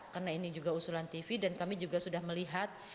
karena ini juga usulan tv dan kami juga sudah melihat